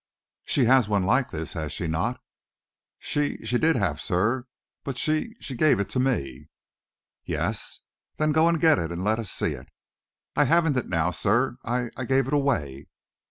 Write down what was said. "She has one like this, has she not?" "She she did have, sir; but she she gave it to me." "Yes? Then go and get it and let us see it." "I haven't it now, sir. I I gave it away."